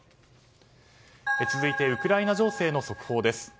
続いてウクライナ情勢の速報です。